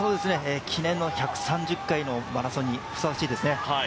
記念の１３０回のマラソンにふさわしいですね。